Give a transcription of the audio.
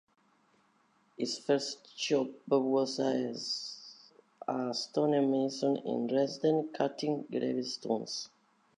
His first job was as a stonemason in Dresden cutting gravestones.